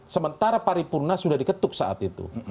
sementara paripurna sudah diketuk saat itu